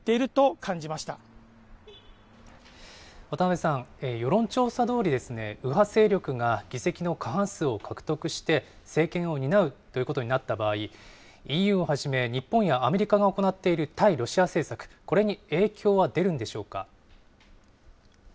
ま渡辺さん、世論調査どおり、右派勢力が議席の過半数を獲得して政権を担うということになった場合、ＥＵをはじめ、日本やアメリカが行っている対ロシア政策、これに影響は出るんでしょうか。